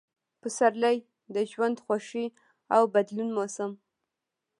پسرلی – د ژوند، خوښۍ او بدلون موسم